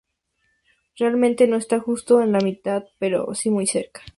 Realmente no está justo en la mitad, pero sí muy cerca.